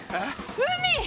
海！